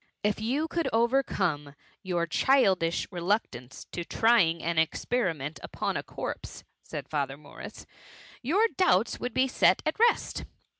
^^If you could overcome your childidb re^ luctance to trying an experiment upon a corpse/' said Father M^urria, ^^ your doubts would be set at rest.